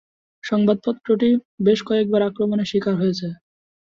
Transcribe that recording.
সংবাদপত্রটি বেশ কয়েকবার আক্রমণের শিকার হয়েছে।